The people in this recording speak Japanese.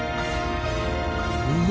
うわ！